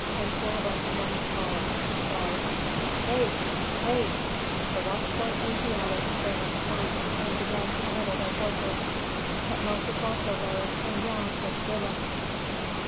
Pentuer went among the palms, and cried, "Wake! wake!" The watchful Asiatics sprang up at once, and began to bridle their horses. Tutmosis also rose, and yawned with a grimace.